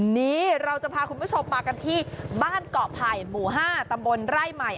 นี้เราจะพาคุณผู้ชมมากันที่บ้านเกาะไผ่หมู่๕ตำบลไร่ใหม่